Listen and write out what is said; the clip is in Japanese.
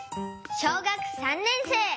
小学３年生。